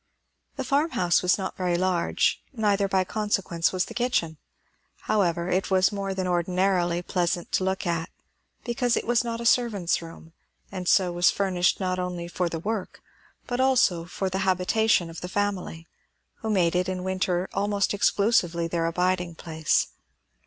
The farmhouse was not very large, neither by consequence was the kitchen; however, it was more than ordinarily pleasant to look at, because it was not a servants' room; and so was furnished not only for the work, but also for the habitation of the family, who made it in winter almost exclusively their abiding place.